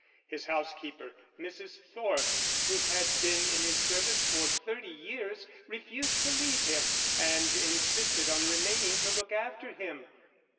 His housekeeper, Mrs. Thorpe, who had been in his service for thirty years, refused to leave him, and insisted on remaining to look after him.